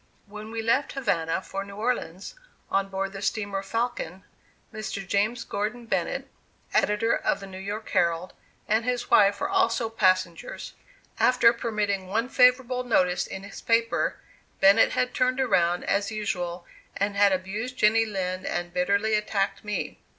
When we left Havana for New Orleans, on board the steamer "Falcon," Mr. James Gordon Bennett, editor of the New York Herald, and his wife were also passengers. After permitting one favorable notice in his paper, Bennett had turned around, as usual, and had abused Jenny Lind and bitterly attacked me.